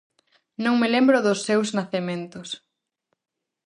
Non me lembro dos seus nacementos.